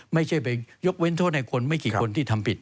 ไม่ใช่ไปยกเว้นโทษให้คนไม่กี่คนที่ทำผิด